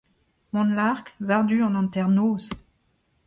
mont lark war-du an hanternoz